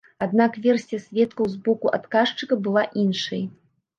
Аднак версія сведкаў з боку адказчыка была іншай.